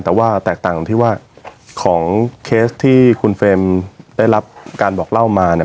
แต่ว่าแตกต่างตรงที่ว่าของเคสที่คุณเฟรมได้รับการบอกเล่ามาเนี่ย